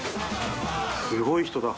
すごい人だ。